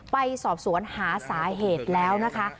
ไปสอบสวนหาสาเหตุแล้วนะคะ